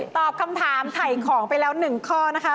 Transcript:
ตอบคำถามไถ่ของไปแล้ว๑ข้อนะคะ